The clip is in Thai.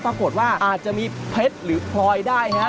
ปรากฏว่าอาจจะมีเพชรหรือพลอยได้ฮะ